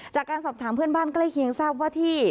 จากการสอบถามเพื่อนบ้านใกล้เคียงทราบว่าที่